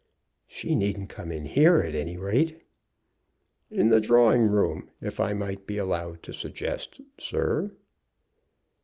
"She needn't come in here, at any rate." "In the drawing room, if I might be allowed to suggest, sir."